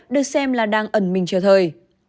được xem là đang ẩn mình trở thời